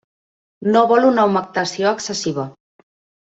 No vol una humectació excessiva.